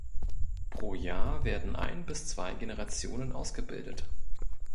Pro Jahr werden ein bis zwei Generationen ausgebildet.